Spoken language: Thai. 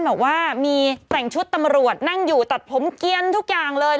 บอกว่ามีแต่งชุดตำรวจนั่งอยู่ตัดผมเกียรทุกอย่างเลย